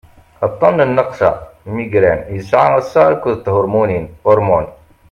aṭṭan n nnaqsa migraine yesɛa assaɣ akked thurmunin hormones